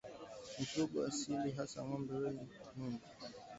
Mifugo asilia hasa ngombe wenye nundu